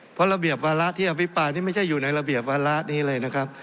เพราะระเบียบวาระที่อภิปรายนี่ไม่ใช่อยู่ในระเบียบวาระนี้เลยนะครับ